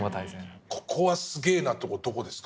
ここはすげぇなってとこどこですか？